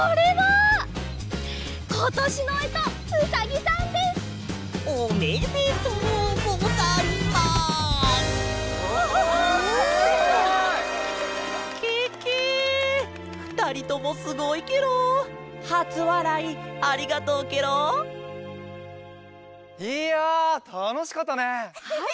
はい！